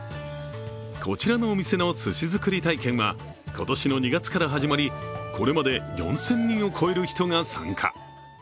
こちらのお店のすし作り体験は今年の２月から始まりこれまで４０００人を超える人が参加。